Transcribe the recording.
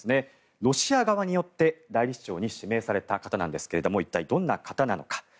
ロシア側によって代理市長に指名された方なんですが一体どんな方なのか。